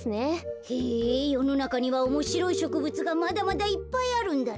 へえよのなかにはおもしろいしょくぶつがまだまだいっぱいあるんだね。